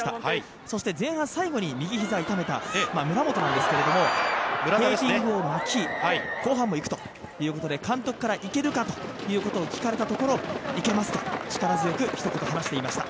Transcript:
そして、前半最後に右ひざを痛めた村田なんですけれどもテーピングを巻き、後半も行くということで、監督から行けるかということを聞かれたところ、いけますと力強く一言、話していました。